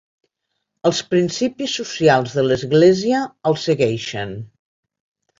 Els principis socials de l'església el segueixen.